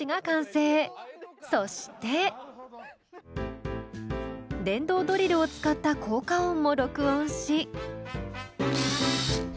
そして電動ドリルを使った効果音も録音し。